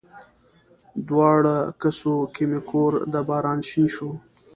دواړو کسو کې مې کور د باران شین شو